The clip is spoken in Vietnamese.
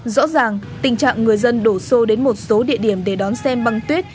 rõ ràng tình trạng người dân đổ xô đến một số địa điểm để đón xem băng tuyết